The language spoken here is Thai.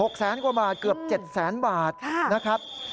แสนกว่าบาทเกือบ๗แสนบาทนะครับ